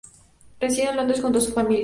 Reside en Londres junto a su familia.